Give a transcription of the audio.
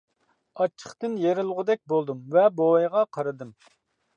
ئاچچىقتىن يېرىلغۇدەك بولدۇم ۋە بوۋايغا قارىدىم.